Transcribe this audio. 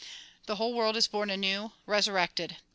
The whole world is born anew, resurrected.